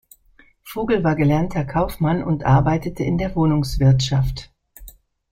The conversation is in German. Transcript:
Vogel war gelernter Kaufmann und arbeitete in der Wohnungswirtschaft.